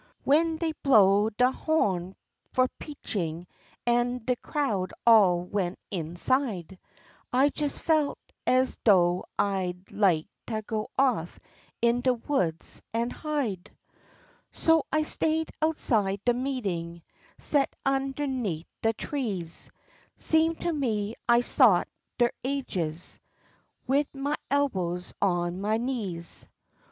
W'en dey blow'd de ho'n fu' preachin', an' de crowd all went inside, I jes felt ez doh I'd like tah go off in de woods an' hide. So I stay'd outside de meetin', set'n underneat' de trees, Seemed to me I sot der ages, wid ma elbows on ma knees.